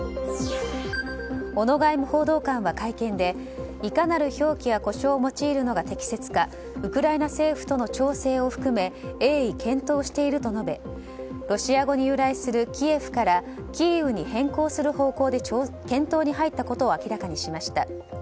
小野外務報道官は、会見でいかなる表記や呼称を用いるのが適切かウクライナ政府との調整を含め鋭意検討していると述べロシア語に由来するキエフからキーウに変更する方向で検討に入ったことを明らかにしました。